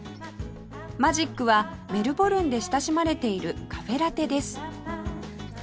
マジックはメルボルンで親しまれているカフェラテです